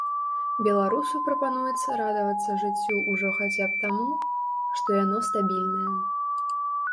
Беларусу прапануецца радавацца жыццю ўжо хаця б таму, што яно стабільнае.